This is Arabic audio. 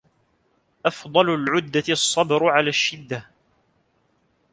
أَفْضَلُ الْعُدَّةِ الصَّبْرُ عَلَى الشِّدَّةِ